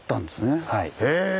へえ！